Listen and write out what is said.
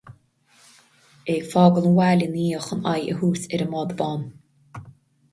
É ag fágáil an bhaile ina dhiaidh chun aghaidh a thabhairt ar an mbád bán.